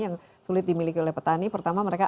yang sulit dimiliki oleh petani pertama mereka